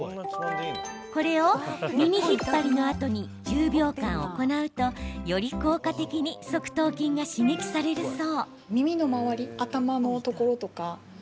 これを耳引っ張りのあとに１０秒間行うと、より効果的に側頭筋が刺激されるそう。